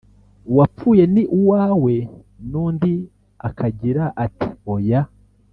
uwapfuye ni uwawe’, n’undi akagira ati‘ Oya’